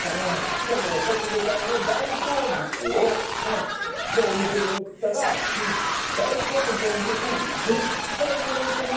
しかも一茂さんの大好物のお店に行ったら大好物のお店に今日は。